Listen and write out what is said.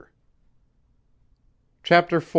CHAPTER IV.